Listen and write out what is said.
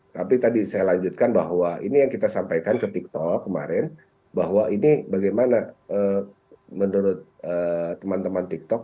tapi tadi saya lanjutkan bahwa ini yang kita sampaikan ke tiktok kemarin bahwa ini bagaimana menurut teman teman tiktok